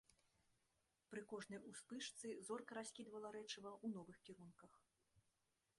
Пры кожнай успышцы зорка раскідвала рэчыва ў новых кірунках.